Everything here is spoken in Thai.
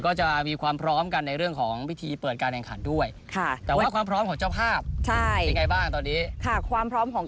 ค่ะความพร้อมของเจ้าภาพจริงจริงแล้วจังหวัดนั้นสสสวรรค์